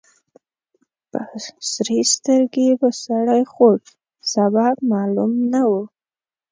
په سرې سترګې به سړی خوړ. سبب معلوم نه و.